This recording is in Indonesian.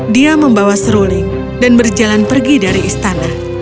dia membawa seruling dan berjalan pergi dari istana